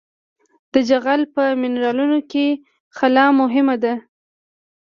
د جغل په منرالونو کې خلا مهمه ده